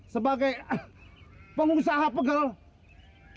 sebagai pengusaha pegalangan